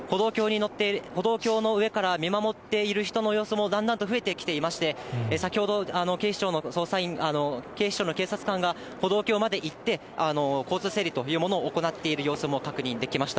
歩道橋の上から見守っている人の様子も、だんだんと増えてきていまして、先ほど、警視庁の警察官が歩道橋まで行って、交通整理というものを行っている様子も確認できました。